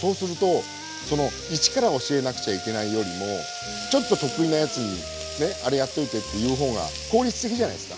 そうするとその一から教えなくちゃいけないよりもちょっと得意なやつにねあれやっといてって言う方が効率的じゃないですか。